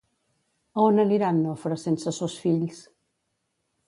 A on anirà en Nofre sense sos fills?